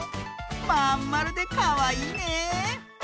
まんまるでかわいいね！